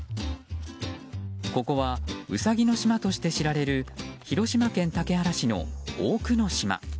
ここはウサギの島として知られる広島県竹原市の大久野島。